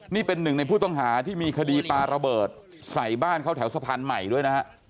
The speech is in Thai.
นี่เป็นหนึ่งในผู้ต้องหาที่มีคดีปลาระเบิดใส่บ้านเขาแถวสะพานใหม่ด้วยนะฮะ